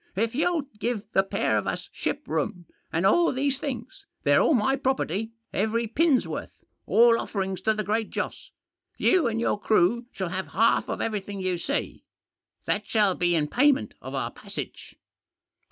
" If you'll give the pair of us ship room, and all these things — they're all my pro perty, every pin's worth, all offerings to the Great Joss — you and your crew shall have half of every thing you see. That shall be in payment of our passage."